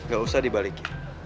gak usah dibalikin